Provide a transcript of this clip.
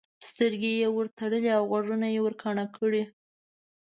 سترګې یې ورتړلې او غوږونه یې ورکاڼه کړي.